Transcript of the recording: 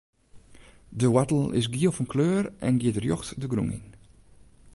De woartel is giel fan kleur en giet rjocht de grûn yn.